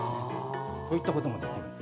こういったこともできるんです。